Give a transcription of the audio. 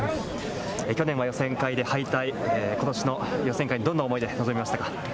去年は予選通過、今年の予選会、どんな思いで臨みましたか？